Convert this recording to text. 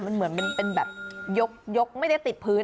มันเหมือนเป็นแบบยกไม่ได้ติดพื้น